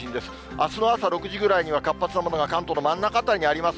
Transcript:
あすの朝６時ぐらいには活発な雨雲が関東の真ん中辺りにあります。